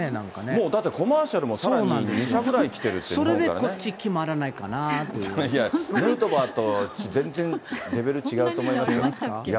もうだって、コマーシャルもかなり、２社ぐらい来てるっていそれでこっち決まらないかなヌートバーと全然レベル違うと思いますけど。